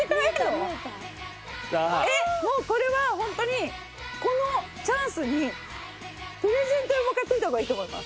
えっもうこれはホントにこのチャンスにプレゼント用も買っておいた方がいいと思います。